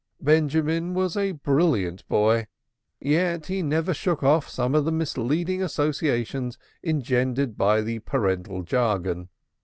Benjamin was a brilliant boy, yet he never shook off some of the misleading associations engendered by the parental jargon.